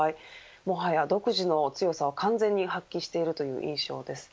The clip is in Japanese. もはや独自の強さを完全に発揮しているという印象です。